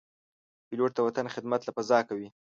پیلوټ د وطن خدمت له فضا کوي.